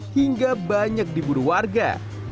hingga banyak diburu warga